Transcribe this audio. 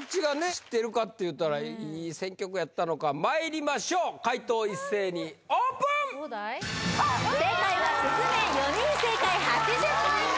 知ってるかっていうたらいい選曲やったのかまいりましょう解答一斉にオープン正解は「すずめ」４人正解８０ポイント